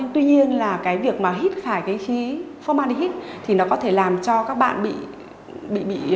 tuy nhiên việc hít phải khí formandehyde có thể làm cho các bạn bị